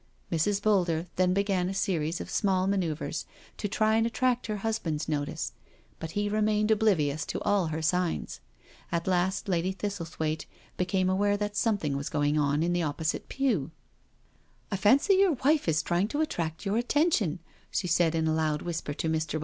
Mrs. Boulder then began a series of small ma noeuvres to try and attract her husband's notice — but he remained oblivious to all her signs. At last Lady, Thistlethwaite became aware that something was going on in the opposite pew. " I fancy your wife is trying to attract your atten tion," she said in a loud whisper to Mr. Boulder.